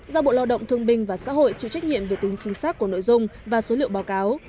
do bộ lo động thương bình và xã hội chịu trách nhiệm về tính chính xác của nội dung và số liệu báo cáo